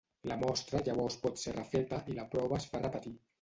La mostra llavors pot ser refeta i la prova es fa repetir.